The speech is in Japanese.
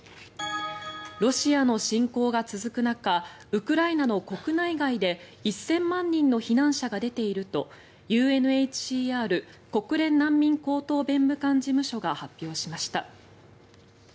ロシアの侵攻が続く中ウクライナの国内外で１０００万人の避難者が出ているとＵＮＨＣＲ・国連難民高等弁務官事務所が発表しました。